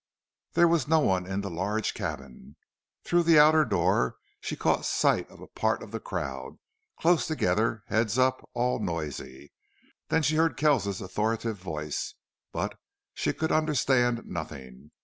There was no one in the large cabin. Through the outer door she caught sight of a part of the crowd, close together, heads up, all noisy. Then she heard Kells's authoritative voice, but she could understand nothing.